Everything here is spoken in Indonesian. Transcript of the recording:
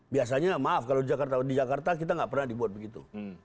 biasanya maaf kalau di jakarta kita nggak pernah dibuat begitu